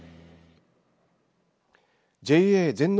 ＪＡ全農